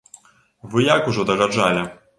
Вы як ужо дагаджалі.